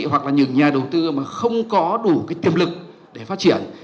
hoặc là những nhà đầu tư mà không có đủ cái tiềm lực để phát triển